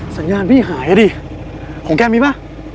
สัญญาณพี่หายอ่ะดิของแกมีป่ะ